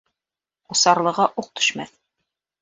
Усарлыға уҡ төшмәҫ.